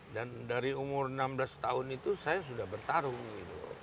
dan dari umur enam belas tahun itu saya sudah bertarung gitu loh